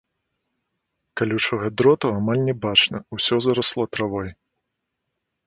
Калючага дроту амаль не бачна, усё зарасло травой.